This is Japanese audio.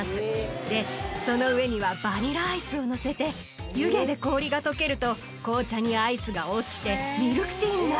でその上にはバニラアイスをのせて湯気で氷が溶けると紅茶にアイスが落ちて。